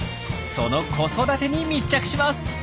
その子育てに密着します！